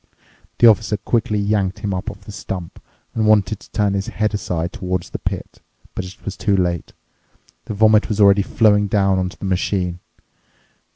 The Officer quickly yanked him up off the stump and wanted to turn his head aside toward the pit. But it was too late. The vomit was already flowing down onto the machine.